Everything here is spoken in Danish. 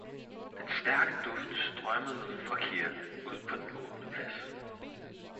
Den stærke duft strømmede fra kirken ud på den åbne plads